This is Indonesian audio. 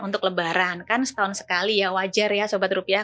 untuk lebaran kan setahun sekali ya wajar ya sobat rupiah